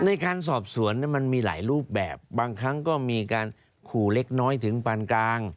ในการสอบสวนมันมีหลายรูปแบบบางครั้งก็มีการขู่เล็กน้อยถึงปานกลาง